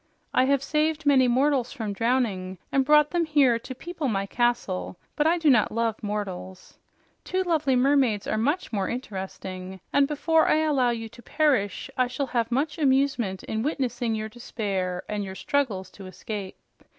I have saved many mortals from drowning and brought them here to people my castle, but I do not love mortals. Two lovely mermaids are much more interesting, and before I allow you to perish, I shall have much amusement in witnessing your despair and your struggles to escape.